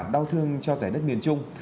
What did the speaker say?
đau thương cho giải đất miền trung